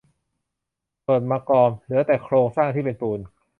ส่วน มะกอม เหลือแต่โครงสร้างที่เป็นปูน